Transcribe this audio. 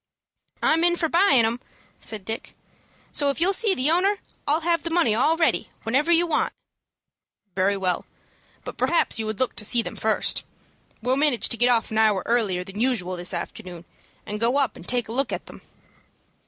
"I'm in for buying 'em," said Dick. "So, if you'll see the owner, I'll have the money all ready whenever you want it." "Very well, but perhaps you would like to see them first. We'll manage to get off an hour earlier than usual this afternoon, and go up and take a look at them."